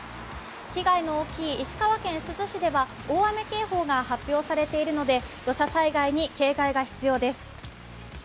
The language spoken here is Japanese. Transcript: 被害の大きい石川県珠洲市では大雨警報が発表されているので土砂災害に警戒が必要です。